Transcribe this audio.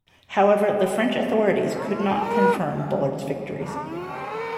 However, the French authorities could not confirm Bullard's victories.